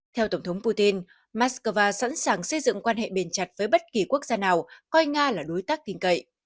theo tổng thống putin moscow sẵn sàng xây dựng quan hệ bền chặt với bất kỳ quốc gia nào coi nga là đối tác tin cậy